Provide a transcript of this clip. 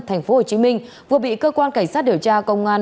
thành phố hồ chí minh vừa bị cơ quan cảnh sát điều tra công an